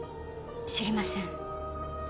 知りません。